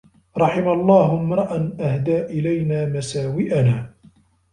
رَحِمَ اللَّهُ امْرَأً أَهْدَى إلَيْنَا مَسَاوِئَنَا